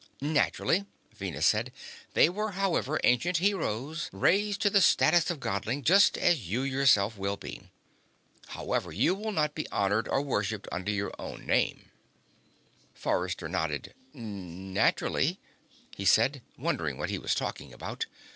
"Naturally," Venus said. "They were, however, ancient heroes, raised to the status of Godling, just as you yourself will be. However, you will not be honored or worshipped under your own name." Forrester nodded. "Naturally," he said, wondering what he was talking about.